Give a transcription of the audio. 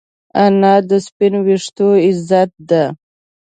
انا د سپین ویښتو عزت ده